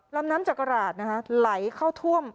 ลำน้ำจักราดนะครับไหลเข้าท่วม